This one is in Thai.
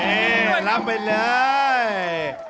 เย็นรับไปเลย